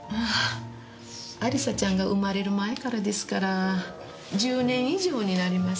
亜里沙ちゃんが生まれる前からですから１０年以上になります。